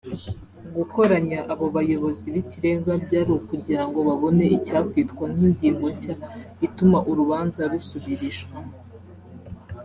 Gukoranya abo bayobozi b’ ikirenga byari ukugira ngo babone icyakwitwa nk’ ingingo nshya ituma urubanza rusubirishwamo